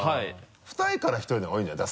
二重から一重の方がいいんじゃない？